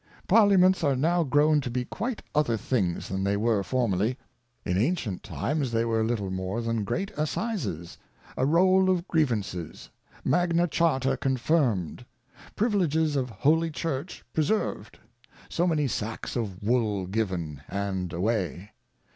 Parliaments are now grown to be quite other things than they were formerly. In Ancient Times they were little more than Great Assizes ; A Roll of Grievances ; Magna Charta confirmed ; Privileges of Holy Church preserved ; so many Sacks of Wool given ; and away.